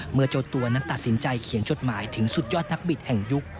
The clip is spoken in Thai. เจ้าตัวนั้นตัดสินใจเขียนจดหมายถึงสุดยอดนักบิดแห่งยุค